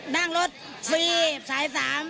นั่งรถฟรีสาย๓